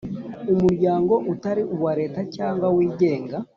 Umuryango utari uwa leta cyangwa wigenga